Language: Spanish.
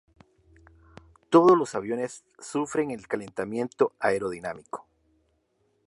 Todos los aviones sufren el calentamiento aerodinámico.